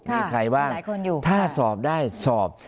มีใครบ้างถ้าสอบได้สอบ